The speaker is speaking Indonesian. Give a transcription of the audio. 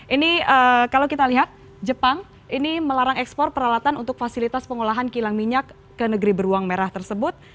ini kalau kita lihat jepang ini melarang ekspor peralatan untuk fasilitas pengolahan kilang minyak ke negeri beruang merah tersebut